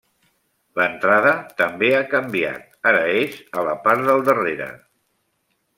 L'entrada també ha canviat, ara és a la part del darrere.